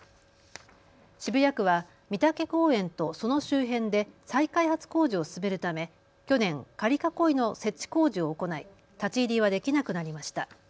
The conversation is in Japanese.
渋谷区は美竹公園とその周辺で再開発工事を進めるため去年、仮囲いの設置工事を行い立ち入りはできなくなりました。